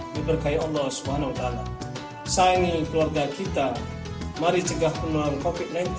diberkati allah subhanahu wa ta'ala sayangi keluarga kita mari cegah penularan covid sembilan belas